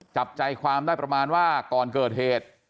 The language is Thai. จับใจความได้ประมาณว่าก่อนเกิดเหตุ